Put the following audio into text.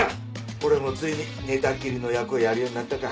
俺もついに寝たきりの役をやるようになったか。